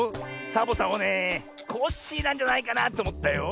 サボさんはねえコッシーなんじゃないかなっておもったよ。